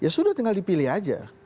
ya sudah tinggal dipilih aja